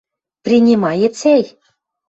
Принимает сӓй?